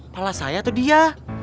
pala saya atau dia